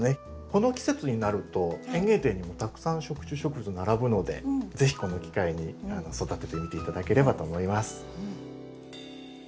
この季節になると園芸店にたくさん食虫植物並ぶので是非この機会に育ててみて頂ければと思います。